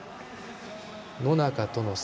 野中との差